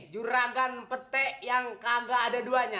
juragan petek yang kagak ada duanya